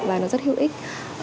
và nó rất hữu ích